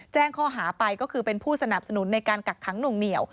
แจ้งข้อหาไปก็คือเป็นผู้สนับสนุนในการกักขังหน่วงเหนียว